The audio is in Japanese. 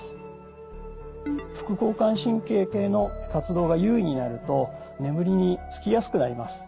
副交感神経系の活動が優位になると眠りにつきやすくなります。